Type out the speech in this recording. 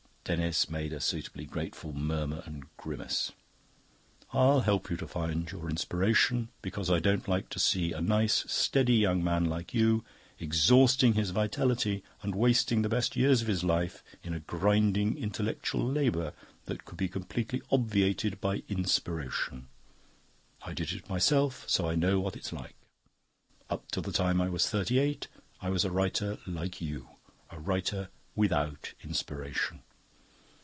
(Denis made a suitably grateful murmur and grimace.) "I'll help you to find your Inspiration, because I don't like to see a nice, steady young man like you exhausting his vitality and wasting the best years of his life in a grinding intellectual labour that could be completely obviated by Inspiration. I did it myself, so I know what it's like. Up till the time I was thirty eight I was a writer like you a writer without Inspiration.